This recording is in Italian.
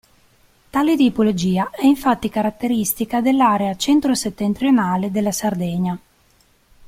Tale tipologia è infatti caratteristica dell'area centro-settentrionale della Sardegna.